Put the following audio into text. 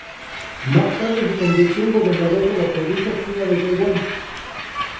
Más tarde se convirtió en gobernador de la provincia china de Taiwán.